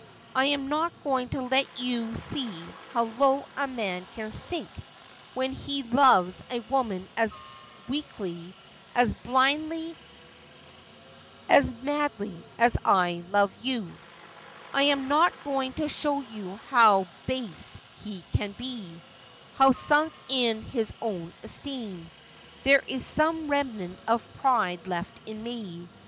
I am not going to let you see how low a man can sink when he loves a woman as weakly, as blindly, as madly as I love you. I am not going to show you how base he can be — how sunk in his own esteem. There is some remnant of pride left in me.